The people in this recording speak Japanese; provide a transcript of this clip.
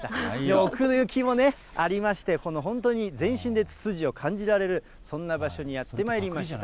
奥行きもありまして、この本当に全身でツツジを感じられる、そんな場所にやってまいりました。